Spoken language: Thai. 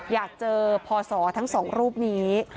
อยากเจอพศทั้งสองรูปนี้